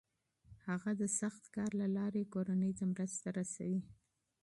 هغه د سخت کار له لارې کورنۍ ته مرسته رسوي.